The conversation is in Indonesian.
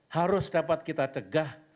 harus dapat kita cegah